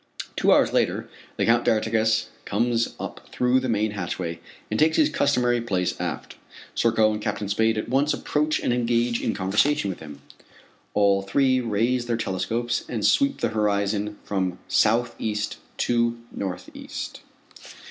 Two hours later the Count d'Artigas comes up through the main hatchway and takes his customary place aft. Serko and Captain Spade at once approach and engage in conversation with him. All three raise their telescopes and sweep the horizon from southeast to northeast.